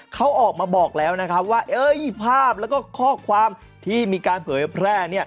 เขาออกมาบอกแล้วว่าภาพและข้อความที่มีการเผยแพร่